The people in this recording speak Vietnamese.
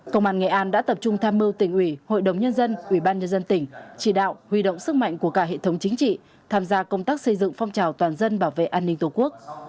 công an nghệ an đã tập trung tham mưu tỉnh ủy hội đồng nhân dân ủy ban nhân dân tỉnh chỉ đạo huy động sức mạnh của cả hệ thống chính trị tham gia công tác xây dựng phong trào toàn dân bảo vệ an ninh tổ quốc